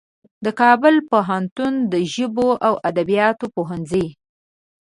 د کابل پوهنتون د ژبو او ادبیاتو پوهنځي